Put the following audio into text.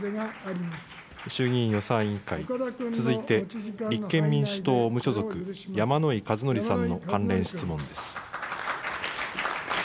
衆議院予算委員会、続いて立憲民主党・無所属、山井和則さんの関連質問です。